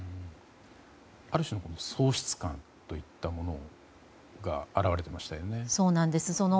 ある種の喪失感といったものが表れていましたよね。